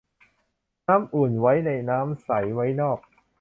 น้ำขุ่นไว้ในน้ำใสไว้นอก